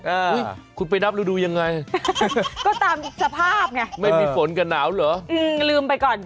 อุ้ยคุณไปนับฤดูยังไงก็ตามสภาพไงไม่มีฝนกับหนาวเหรออืมลืมไปก่อน